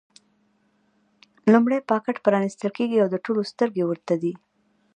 لومړی پاکټ پرانېستل کېږي او د ټولو سترګې ورته دي.